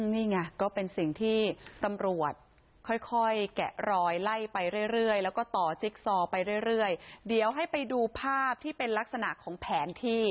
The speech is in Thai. นี่ไงก็เป็นสิ่งที่ตำรวจค่อยแกะรอยไล่ไปเรื่อยแล้วก็ต่อจิ๊กซอไปเรื่อยเดี๋ยวให้ไปดูภาพที่เป็นลักษณะของแผนที่